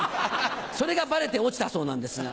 それがバレて落ちたそうなんですが。